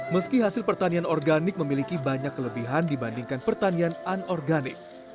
meski hasil pertanian organik memiliki banyak kelebihan dibandingkan pertanian anorganik